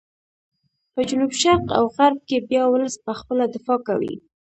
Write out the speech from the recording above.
په جنوب شرق او غرب کې بیا ولس په خپله دفاع کوي.